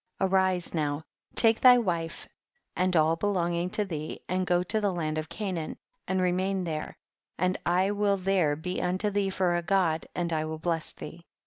5. Arise now, take thy wife and all belonging to thee and go to the land of Canaan and remain there, and I will there be unto thee for a God, and I will bless thee.